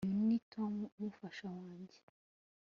Uyu ni Tom umufasha wanjye